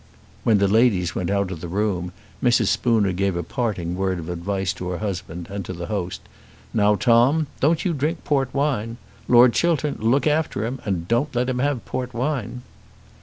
When the ladies went out of the room Mrs. Spooner gave a parting word of advice to her husband, and to the host. "Now, Tom, don't you drink port wine. Lord Chiltern, look after him, and don't let him have port wine."